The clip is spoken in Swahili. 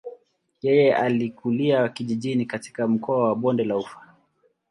Yeye alikulia kijijini katika mkoa wa bonde la ufa.